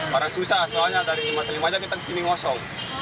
barang susah soalnya dari lima puluh lima aja kita kesini ngosong